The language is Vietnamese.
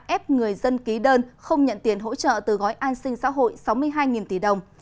ép người dân ký đơn không nhận tiền hỗ trợ từ gói an sinh xã hội sáu mươi hai tỷ đồng